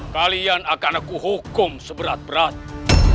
kalian akan aku hukum seberat beratnya